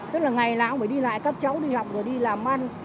tức là ngày nào cũng phải đi lại các cháu đi học rồi đi làm ăn